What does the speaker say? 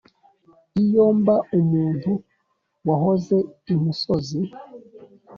iyo mba umuntu wahoze imusozi